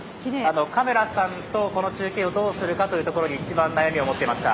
カメラさんとこの中継をどうするかということに一番悩みを持ってました。